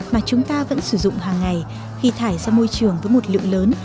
mà chúng ta vẫn sử dụng hàng ngày khi thải ra môi trường với một lượng lớn